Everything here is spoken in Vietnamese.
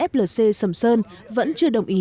flc sầm sơn vẫn chưa đồng ý